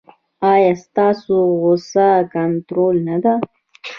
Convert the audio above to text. ایا ستاسو غوسه کنټرول نه ده؟